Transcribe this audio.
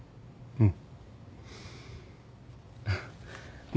うん。